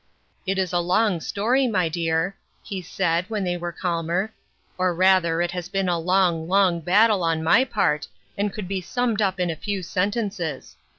" It is a long story, my dear," he said, when they were calmer, " or rather, it has been a long, long battle on my part, and could be summed up in a few sentences.